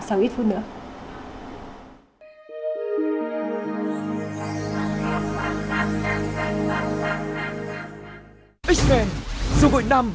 sau ít phút nữa